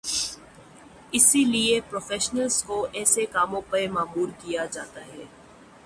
اسی لیے پروفیشنلز کو ایسے کاموں پہ مامور کیا جاتا ہے۔